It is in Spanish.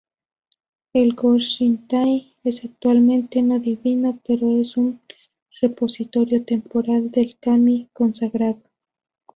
El "go-shintai" es actualmente no divino, pero es un repositorio temporal del "kami" consagrado.